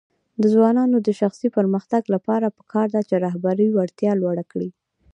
د ځوانانو د شخصي پرمختګ لپاره پکار ده چې رهبري وړتیا لوړه کړي.